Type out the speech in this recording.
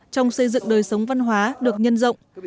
trong xây dựng đời sống văn hóa được nhân rộng